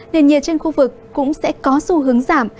nền nhiệt trên khu vực cũng sẽ có xu hướng giảm